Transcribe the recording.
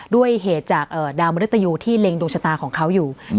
ด้วยเหตุจากดาวมริตยูที่เล็งดวงชะตาของเขาอยู่